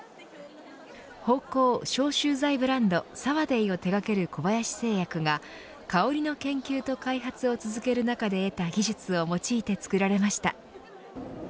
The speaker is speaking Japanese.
芳香、消臭剤ブランドＳａｗａｄａｙを手掛ける小林製薬が香りの研究と開発を続ける中で得た技術を用いて作られました。